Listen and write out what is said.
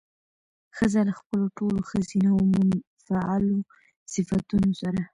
ښځه له خپلو ټولو ښځينه او منفعلو صفتونو سره